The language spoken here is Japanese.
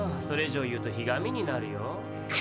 それ以上言うとひがみになるよ。